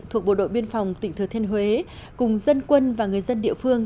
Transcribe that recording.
thuộc bộ đội biên phòng tỉnh thừa thiên huế cùng dân quân và người dân địa phương